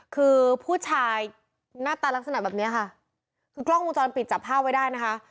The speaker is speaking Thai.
คือผู้ชายหน้าตาลักษณะแบบเนี้ยค่ะคือกล้องวงจรปิดจับภาพไว้ได้นะคะ